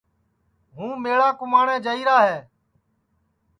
ہُُوں میݪا کُماٹؔیں جائیرا ہے